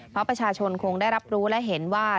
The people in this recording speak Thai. เพราะประชาชนคงได้รับรู้และเห็นว่า